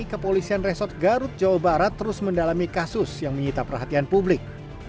kepolisian resort garut jawa barat terus mendalami kasus yang menyita perhatian publik